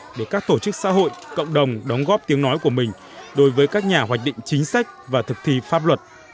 đây là thời điểm quan trọng để các tổ chức xã hội cộng đồng đóng góp tiếng nói của mình đối với các nhà hoạch định chính sách và thực thi pháp luật